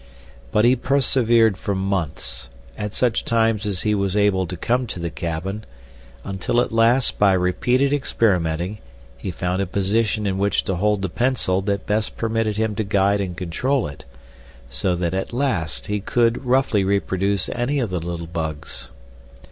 But he persevered for months, at such times as he was able to come to the cabin, until at last by repeated experimenting he found a position in which to hold the pencil that best permitted him to guide and control it, so that at last he could roughly reproduce any of the little bugs.